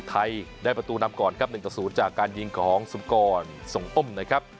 ไทยได้ประตูนำก่อนครับ๑ต่อ๐จากการยิงของสุมกรส่งอ้มนะครับ